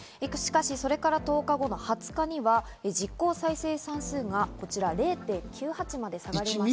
しかし、それから１０日後の２０日には実効再生産数が１未満ですね。